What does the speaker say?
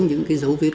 những cái dấu vết